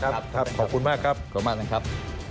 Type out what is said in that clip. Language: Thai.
ขอบคุณมากครับขอบคุณมากท่านครับขอบคุณมากท่านครับ